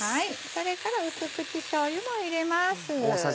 それから淡口しょうゆも入れます。